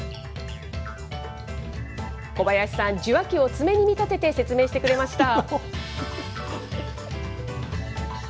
小林さん、受話器を爪に見立てて説明してくれました。